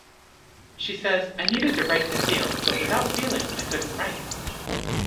She says, I needed to write to feel, but without feeling I couldn't write.